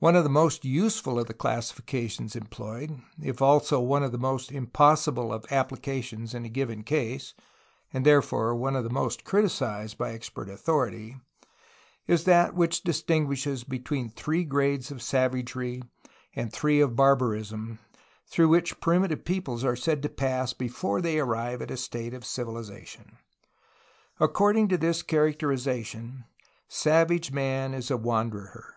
One of the most useful of the classifications employed, if also one of the most impossible of application in a given case and therefore one of the most criticized by expert au thority, is that which distinguishes between three grades of savagery and three of barbarism through which primitive peoples are said to pass before they arrive at a state of civili zation. According to this characterization savage man is a wanderer.